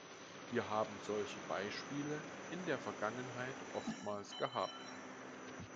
Wir haben solche Beispiele in der Vergangenheit oftmals gehabt.